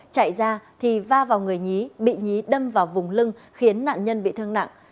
chạy ra thì va vào người nhí bị nhí đâm vào vùng lưng khiến nạn nhân bị thương nặng